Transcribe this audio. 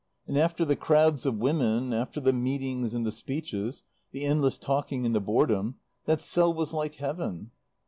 And after the crowds of women, after the meetings and the speeches, the endless talking and the boredom, that cell was like heaven.